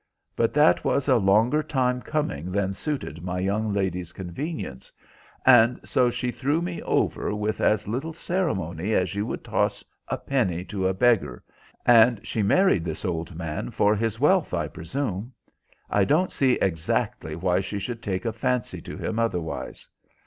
But that was a longer time coming than suited my young lady's convenience, and so she threw me over with as little ceremony as you would toss a penny to a beggar, and she married this old man for his wealth, I presume. I don't see exactly why she should take a fancy to him otherwise.